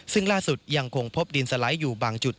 ซึ่งล่าสุดยังคงพบดินสไลด์อยู่บางจุด